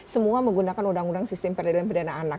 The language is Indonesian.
semua menggunakan undang undang sistem peradilan pidana anak